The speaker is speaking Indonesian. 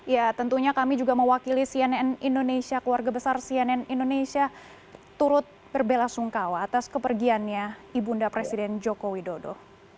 ya tentunya kami juga mewakili cnn indonesia keluarga besar cnn indonesia turut berbela sungkawa atas kepergiannya ibunda presiden joko widodo